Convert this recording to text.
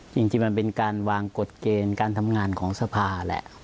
จริงมันเป็นการวางกฎเกณฑ์การทำงานของสภาแหละ